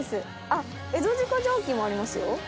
あっエゾ鹿ジャーキーもありますよ。